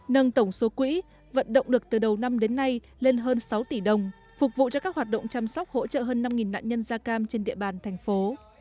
nâng tổng số quỹ vận động được từ đầu năm đến nay lên hơn sáu tỷ đồng phục vụ cho các hoạt động chăm sóc hỗ trợ hơn năm nạn nhân da cam trên địa bàn thành phố